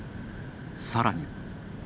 さらに。